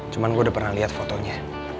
cuman gue udah pernah liat fotonya